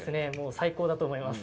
最高だと思います。